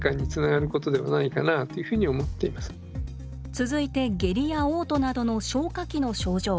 続いて下痢やおう吐などの消化器の症状。